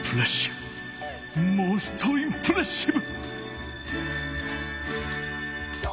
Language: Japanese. モストインプレッシブ！